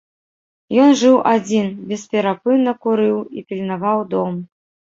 Ён жыў адзін, бесперапынна курыў і пільнаваў дом.